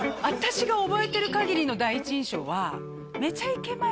私が覚えてるかぎりの第一印象は「めちゃイケ」